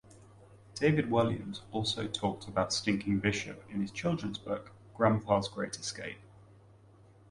David Walliams also talked about Stinking Bishop in his children's book, Grandpa's Great Escape.